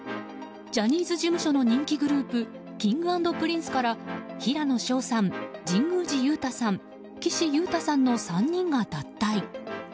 ジャニーズ事務所の人気グループＫｉｎｇ＆Ｐｒｉｎｃｅから平野紫耀さん、神宮寺勇太さん岸優太さんの３人が脱退。